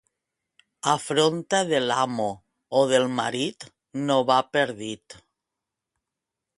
Afronta de l'amo o del marit, no va per dit.